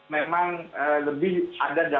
nah itu yang kemudian direspon